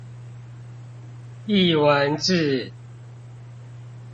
藝文志